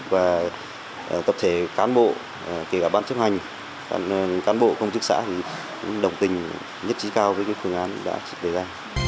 và tập thể cán bộ kể cả ban chức hành cán bộ công chức xã thì cũng đồng tình nhất trí cao với cái phương án đã trực tế ra